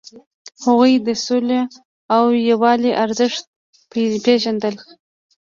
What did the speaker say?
هغوی د سولې او یووالي ارزښت پیژندل.